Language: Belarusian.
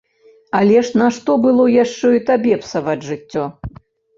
Але ж нашто было яшчэ і табе псаваць жыццё?